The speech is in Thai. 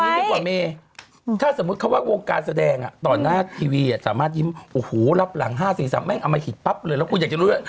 นี่แต่คนอาจจะอยากเช่าพี่หนุ่มไปด้วยก็ได้